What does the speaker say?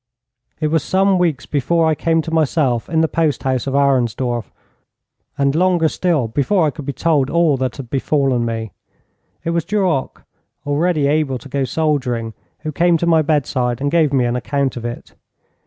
It was some weeks before I came to myself in the post house of Arensdorf, and longer still before I could be told all that had befallen me. It was Duroc, already able to go soldiering, who came to my bedside and gave me an account of it.